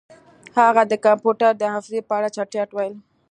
هغه د کمپیوټر د حافظې په اړه چټیات ویل